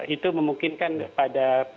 itu memungkinkan pada